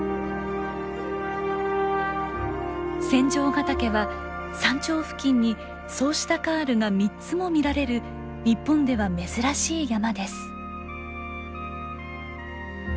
仙丈ヶ岳は山頂付近にそうしたカールが３つも見られる日本では珍しい山です。